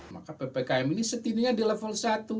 maka ppkm ini setidaknya di level satu